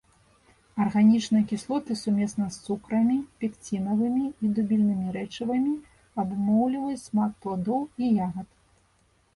Арганічныя кіслоты сумесна з цукрамі, пекцінавымі і дубільнымі рэчывамі абумоўліваюць смак пладоў і ягад.